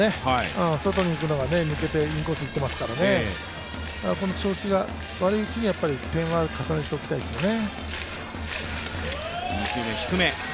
外にいくのが抜けてインコースにいっていますから調子が悪いうちに点は重ねておきたいですね。